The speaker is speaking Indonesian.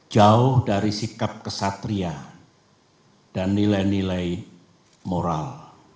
jauh dari sikap kesatria dan nilai nilai moral